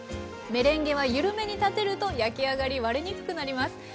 メレンゲは緩めに立てると焼き上がり割れにくくなります。